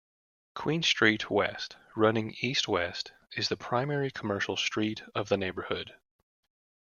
Queen Street West running east-west is the primary commercial street of the neighbourhood.